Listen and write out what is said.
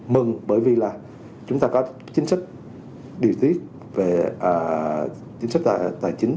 mừng bởi vì là chúng ta có chính sách điều tiết về chính sách tài chính